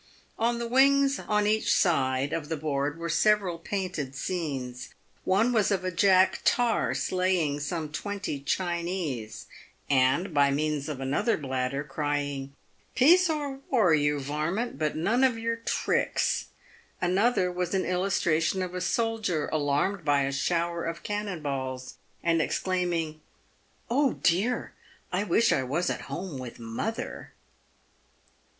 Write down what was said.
On the wings on each side of the board were painted several scenes. One was of a Jack Tar slaying some twenty Chinese, and, by means of another bladder, crying, " Peace or war, you varmint, but none of your tricks." Another was an illustration of a soldier alarmed by a shower of cannon balls, and exclaiming, " Oh! dear, I wish I was at home with mother."